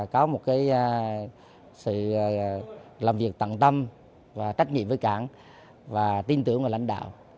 có một sự làm việc tận tâm và trách nhiệm với cảng và tin tưởng vào lãnh đạo